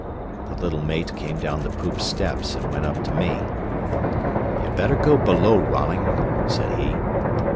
The little mate came down the poop steps and went up to me. "You better go below, Rolling," said he.